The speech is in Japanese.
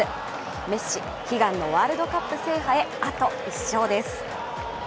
メッシ、悲願のワールドカップ制覇へあと１勝です。